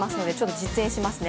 実演しますね。